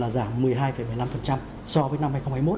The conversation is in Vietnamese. giảm một mươi hai một mươi năm so với năm hai nghìn hai mươi một